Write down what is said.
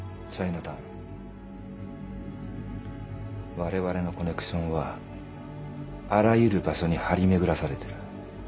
われわれのコネクションはあらゆる場所に張り巡らされてる。